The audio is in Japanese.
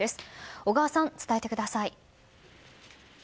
尾川さん、伝えてください。